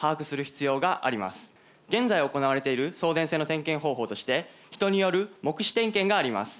現在行われている送電線の点検方法として人による目視点検があります。